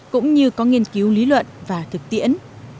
cũng như có nghiên cứu lý luận và thực tiễn